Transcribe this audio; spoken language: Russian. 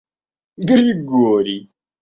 Григорий